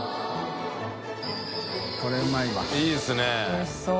おいしそう。